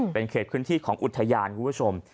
เป็นเขตพื้นที่ของอุทยานคุณผู้ชม